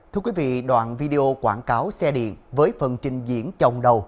thưa quý vị đoạn video quảng cáo xe điện với phần trình diễn chồng đầu